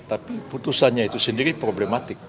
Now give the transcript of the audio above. tapi putusannya itu sendiri problematik